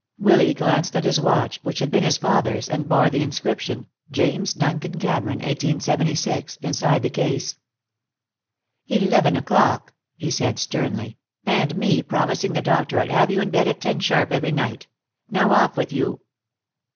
Willy glanced at his watch, which had been his father's, and bore the inscription: "James Duncan Cameron, 1876" inside the case. "Eleven o'clock," he said sternly. "And me promising the doctor I'd have you in bed at ten sharp every night! Now off with you."